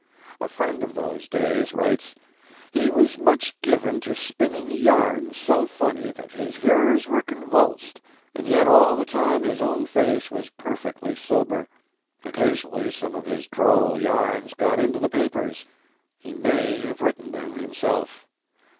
A friend of those days writes: "He was much given to spinning yarns so funny that his hearers were convulsed, and yet all the time his own face was perfectly sober. Occasionally some of his droll yarns got into the papers. He may have written them himself."